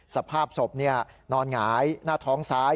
สภาพศพนอนหงายหน้าท้องซ้าย